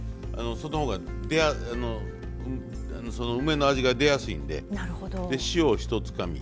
その方が梅の味が出やすいんでで塩をひとつかみ。